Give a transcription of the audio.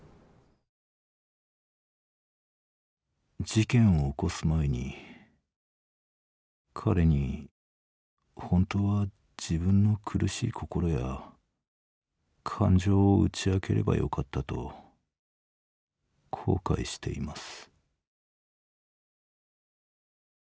「事件を起こす前に彼に本当は自分の苦しい心や感情を打ち明ければよかったと後悔しています」。